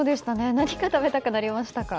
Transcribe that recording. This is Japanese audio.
何が食べたくなりましたか？